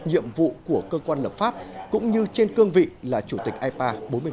nhiệm vụ của cơ quan lập pháp cũng như trên cương vị là chủ tịch ipa bốn mươi một